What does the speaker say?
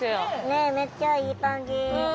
ねえめっちゃいい感じ。